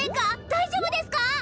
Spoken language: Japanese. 大丈夫ですか！？